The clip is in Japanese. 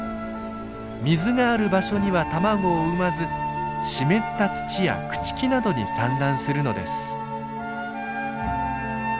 水がある場所には卵を産まず湿った土や朽ち木などに産卵するのです。